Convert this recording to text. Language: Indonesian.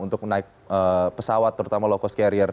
untuk naik pesawat terutama low cost carrier